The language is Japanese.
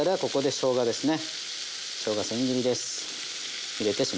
しょうがせん切りです。